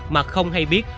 mà không hay biết